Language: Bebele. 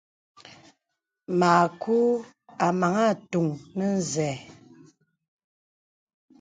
Makù a maŋā àtuŋ nə zɛ̂.